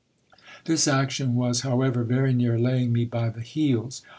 This action was, however, very near laying me by the heels.